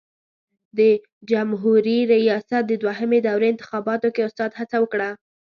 د جمهوري ریاست د دوهمې دورې انتخاباتو کې استاد هڅه وکړه.